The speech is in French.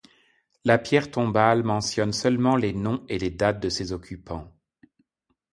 La pierre tombale mentionne seulement les noms et les dates de ses occupants.